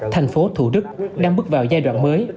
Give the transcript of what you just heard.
thành phố thủ đức đang bước vào giai đoạn mới